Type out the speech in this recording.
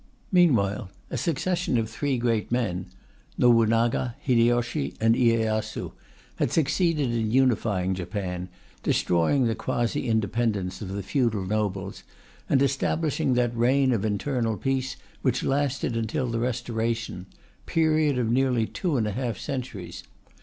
Meanwhile, a succession of three great men Nobunaga, Hideyoshi, and Iyeyasu had succeeded in unifying Japan, destroying the quasi independence of the feudal nobles, and establishing that reign of internal peace which lasted until the Restoration period of nearly two and a half centuries.